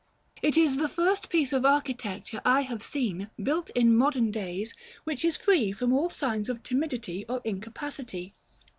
It is the first piece of architecture I have seen, built in modern days, which is free from all signs of timidity or incapacity.